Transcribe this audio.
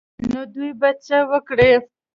نو دوى به څه وکړي.